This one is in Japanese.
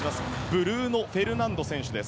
ブルーノ・フェルナンド選手。